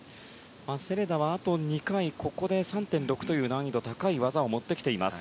セレダはあと２回ここで３．６という難易度が高い技を持ってきています。